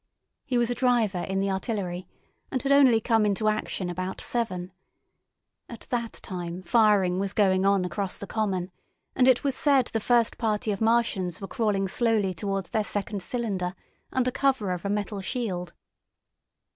He was a driver in the artillery, and had only come into action about seven. At that time firing was going on across the common, and it was said the first party of Martians were crawling slowly towards their second cylinder under cover of a metal shield.